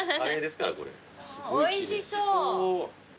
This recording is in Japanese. おいしそう。